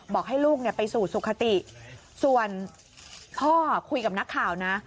บอกให้ลูกไปสู่สุขติส่วนพ่อคุยกับนักข่าวนะ